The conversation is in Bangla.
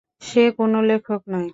সে কোন লেখক নয়।